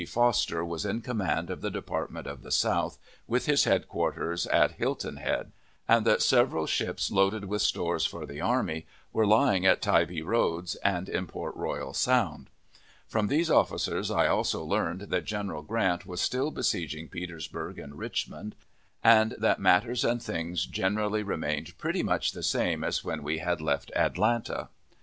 Foster was in command of the Department of the South, with his headquarters at Hilton Head; and that several ships loaded with stores for the army were lying in Tybee Roads and in Port Royal Sound. From these officers I also learned that General Grant was still besieging Petersburg and Richmond, and that matters and things generally remained pretty much the same as when we had left Atlanta.